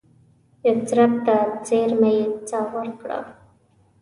یثرب ته څېرمه یې ساه ورکړه.